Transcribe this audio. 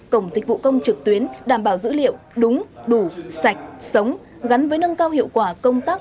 cổng dịch vụ công trực tuyến đảm bảo dữ liệu đúng đủ sạch sống gắn với nâng cao hiệu quả công tác